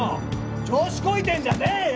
調子こいてんじゃねえよ！